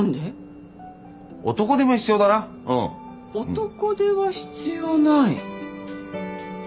男手は必要ない。